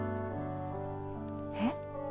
えっ？